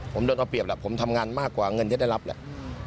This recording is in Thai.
ผมโดนเอาเปรียบแหละผมทำงานมากกว่าเงินที่ได้รับแหละ